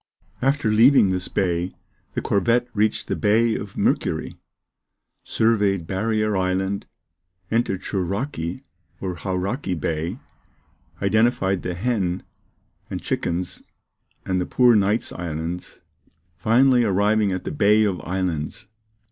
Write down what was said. After leaving this bay, the corvette reached the Bay of Mercury; surveyed Barrier Island, entered Shouraki or Hauraki Bay, identified the Hen and Chickens and the Poor Knights Islands, finally arriving at the Bay of Islands.